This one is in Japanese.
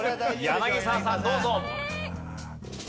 柳澤さんどうぞ。